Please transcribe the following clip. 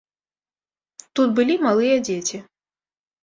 Тут былі малыя дзеці.